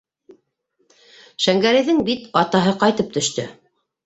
Шәңгәрәйҙең бит атаһы ҡайтып төштө.